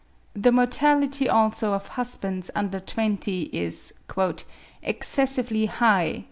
The mortality, also, of husbands under twenty is "excessively high" (22.